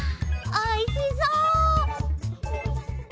おいしそう！